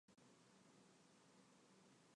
柯震东曾与萧亚轩和李毓芬交往。